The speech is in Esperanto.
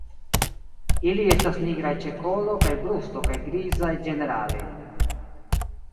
Ili estas nigraj ĉe kolo kaj brusto kaj grizaj ĝenerale.